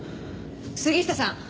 杉下さん！